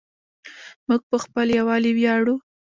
موږ په خپل یووالي ویاړو.